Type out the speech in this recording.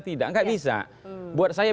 tidak nggak bisa buat saya